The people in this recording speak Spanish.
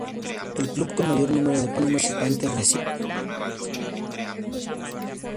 El club con mayor número de participantes recibe una distinción.